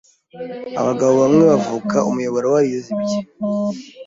Abagabo bamwe bavuka umuyoboro warazibye